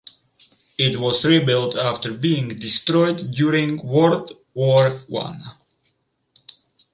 It was rebuilt after being destroyed during World War One.